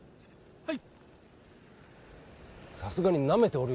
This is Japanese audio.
はい。